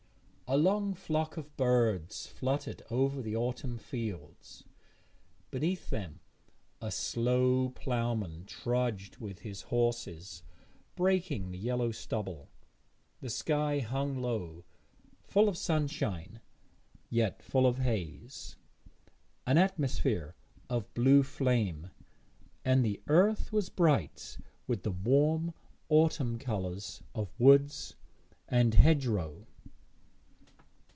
A long flock of birds fluttered over the autumn fields; beneath them a slow ploughman trudged with his horses, breaking the yellow stubble. The sky hung low, full of sunshine yet full of haze an atmosphere of blue flame, and the earth was bright with the warm autumn colours of woods and hedgerow.